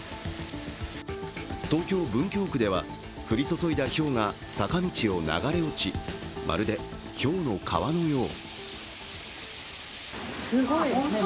東京・文京区では降り注いだひょうが坂道を流れ落ち、まるで、ひょうの川のよう。